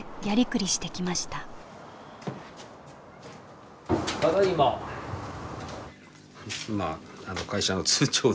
ただいま。